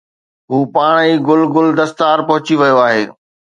هو پاڻ ئي گل گل دستار پهچي ويو آهي